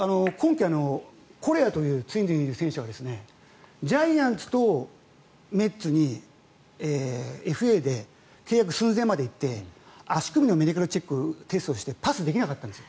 今季、ツインズの選手がジャイアンツとメッツにＦＡで契約寸前まで行って足首のメディカルチェックをしてパスできなかったんです。